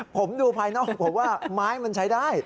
ผมดูภายนอกผมว่าไม้มันใช้ได้